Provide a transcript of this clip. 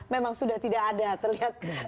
memang sudah tidak ada terlihat